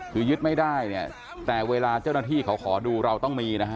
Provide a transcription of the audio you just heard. คือยึดไม่ได้เนี่ยแต่เวลาเจ้าหน้าที่เขาขอดูเราต้องมีนะฮะ